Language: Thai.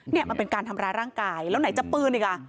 เนี่ยมันเป็นการทำร้ายร่างกายแล้วไหนจะปืนอีกอ่ะ